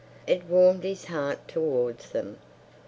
It warmed his heart towards them.